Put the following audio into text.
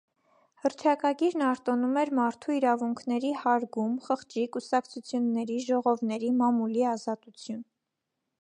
Հռչակագիրն արտոնում էր մարդու իրավունքների հարգում, խղճի, կուսակցությունների, ժողովների, մամուլի ազատություն։